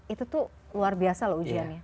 itu tuh luar biasa loh ujiannya